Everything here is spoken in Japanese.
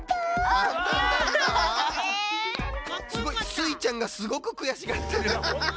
スイちゃんがすごくくやしがってる。